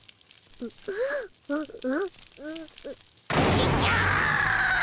ちっちゃい！